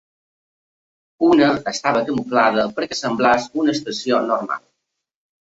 Una estava camuflada perquè semblés una estació normal.